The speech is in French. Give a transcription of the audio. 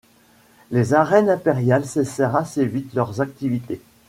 Les Arènes impériales cessèrent assez vite leurs activités.